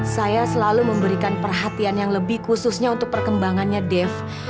saya selalu memberikan perhatian yang lebih khususnya untuk perkembangannya dev